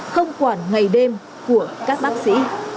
không quản ngày đêm của các bác sĩ